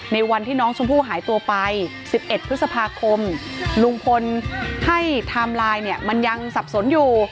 วันที่น้องชมพู่หายตัวไป๑๑พฤษภาคมลุงพลให้ไทม์ไลน์เนี่ยมันยังสับสนอยู่